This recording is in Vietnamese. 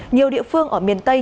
nhiều địa phương ở miền tây